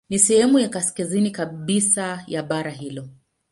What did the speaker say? Ni sehemu ya kaskazini kabisa ya bara hilo.